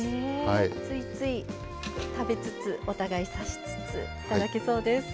ついつい食べつつお互いさしつついただけそうです。